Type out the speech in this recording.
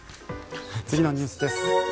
次のニュースです。